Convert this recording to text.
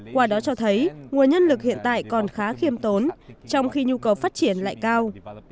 qua đó cho thấy nguồn nhân lực hiện tại còn khá khiêm tốn trong khi nhu cầu phát triển lại cao